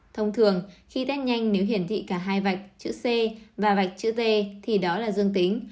thông thường khi test nhanh nếu hiển thị cả hai vạch chữ c và vạch chữ t thì đó là dương tính